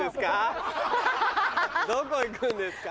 どこ行くんですか？